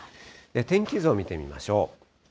天気図を見てみましょう。